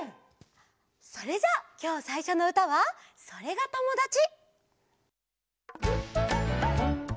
それじゃあきょうさいしょのうたは「それがともだち」！